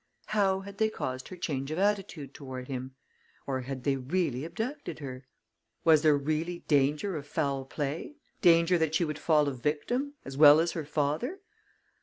How had they caused her change of attitude toward him? Or had they really abducted her? Was there really danger of foul play danger that she would fall a victim, as well as her father?